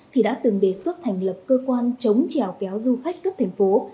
thì đã từng đề xuất thành lập cơ quan chống trèo kéo du khách cấp thành phố